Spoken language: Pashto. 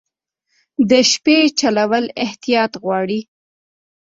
د شپې چلول احتیاط غواړي.